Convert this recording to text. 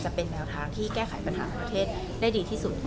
จะเป็นแนวทางที่แก้ไขปัญหาของประเทศได้ดีที่สุด